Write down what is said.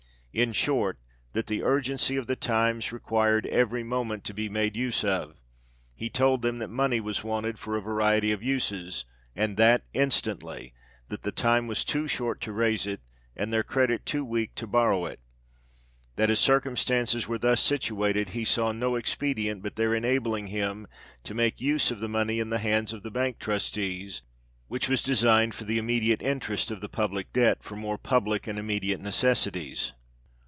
In short, that the urgency of the times required every moment to be made use of. He told them that money was wanted for a varity of uses, and that instantly that the time was too short to raise it, and their credit too weak to borrow it that, as circumstances were thus situated, he saw no expedient but their enabling him to make use of the money in the hands of the Bank trustees, which was designed for the interest of the public debt, for more public and immediate necessities.